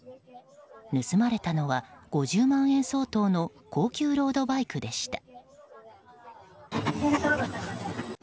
盗まれたのは５０万円相当の高級ロードバイクでした。